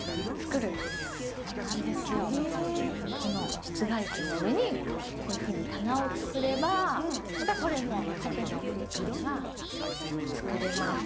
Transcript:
この室外機の上にこういうふうに棚を作ればまたこれも縦の空間が作れます。